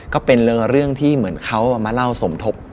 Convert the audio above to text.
ก็เป็นเรื่องที่เหมือนเขามาเล่าสมทบ